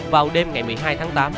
vào đêm ngày một mươi hai tháng tám